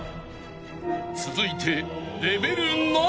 ［続いて］